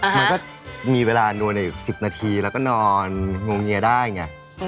มันก็มีเวลานอนอยู่๑๐นาทีแล้วก็นอนงวงเงียได้ไง